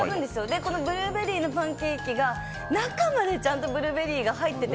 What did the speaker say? このブルーベリーのパンケーキが中までちゃんとブルーベリーが入っていて。